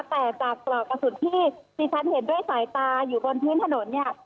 แต่จากปลอกกระสุนที่ที่ฉันเห็นด้วยสายตาอยู่บนพื้นถนนเนี่ย